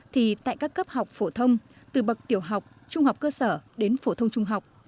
thì tại các cấp học phổ thông từ bậc tiểu học trung học cơ sở đến phổ thông trung học